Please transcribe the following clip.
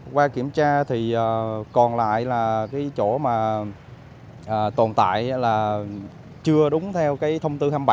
qua kiểm tra thì còn lại là cái chỗ mà tồn tại là chưa đúng theo cái thông tư hai mươi bảy